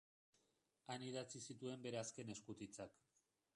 Han idatzi zituen bere azken eskutitzak.